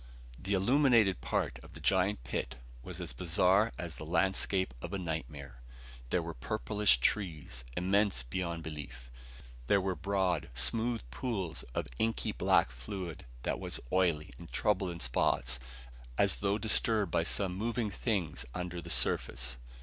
The illuminated part of the giant pit was as bizarre as the landscape of a nightmare. There were purplish trees, immense beyond belief. There were broad, smooth pools of inky black fluid that was oily and troubled in spots as though disturbed by some moving things under the surface.